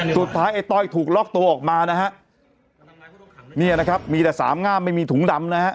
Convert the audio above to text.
ไอ้ต้อยถูกล็อกตัวออกมานะฮะเนี่ยนะครับมีแต่สามงามไม่มีถุงดำนะฮะ